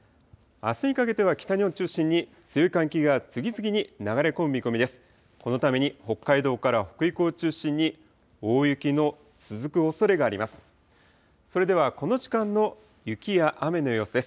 あすにかけては北日本を中心に強い寒気が次々に流れ込む見込みです。